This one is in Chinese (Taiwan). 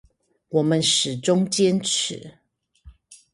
我們始終堅持